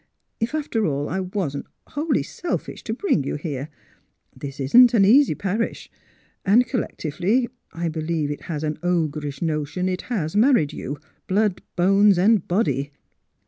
If, after all, I wasn't wholly selfish to bring you here. This isn't an easy parish; and, collectively, I believe it has an ogreish notion it has married you — ^blood, bones, and body."